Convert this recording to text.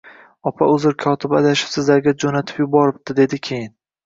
Opa, uzr, kotiba adashib sizlarga jo`natib yuboribdi, dedi keyin